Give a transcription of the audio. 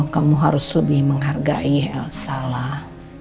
kamu harus lebih menghargai elsa lah